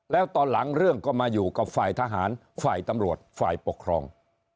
แล้วตอนหลังเรื่องก็มาอยู่กับฝ่ายทหารฝ่ายตำรวจฝ่ายปกครอง